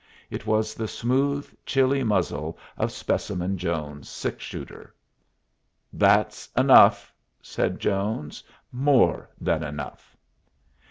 It was the smooth, chilly muzzle of Specimen Jones's six shooter. "That's enough," said Jones. "More than enough."